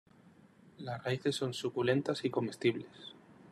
Las raíces son suculentas y comestibles.